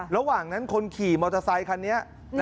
ระหว่างนั้นคนขี่มอเตอร์ไซคันนี้